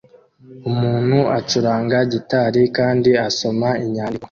Umuntu acuranga gitari kandi asoma inyandiko